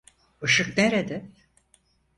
Işık nerede?